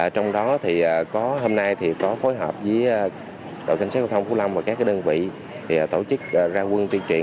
trong đó hôm nay có phối hợp với đội canh sát giao thông phú long và các đơn vị tổ chức ra quân tuyên truyền